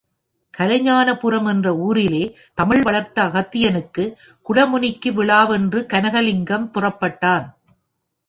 கலைஞானபுரம் என்ற ஊரிலே, தமிழ் வளர்த்த அகத்தியனுக்கு குடமுனிக்கு விழாவென்று, கனகலிங்கம் புறப்பட்டான்.